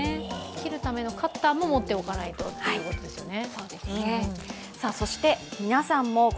切るためのカッターも持っておかないとということですよね。